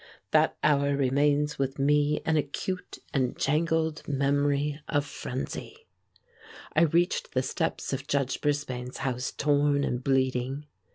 That hour remains with me an acute and jangled memory of frenzy. I reached the steps of Judge Brisbane's house torn and bleeding.